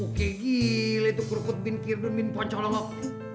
oke gil itu krukut bin kirdun bin poncolongok